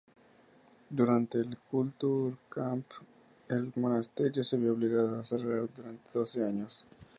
Durante el Kulturkampf, el monasterio se vio obligado a cerrar durante doce años.